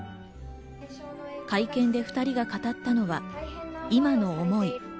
会見で２人が語ったのは今の思い。